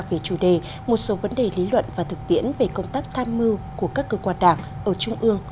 về chủ đề một số vấn đề lý luận và thực tiễn về công tác tham mưu của các cơ quan đảng ở trung ương